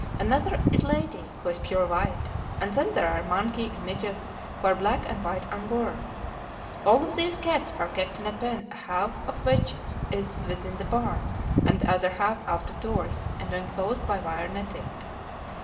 Another is Lady, who is pure white; and then there are Monkey and Midget, who are black and white Angoras. All of these cats are kept in a pen, half of which is within the barn, and the other half out of doors and enclosed by wire netting.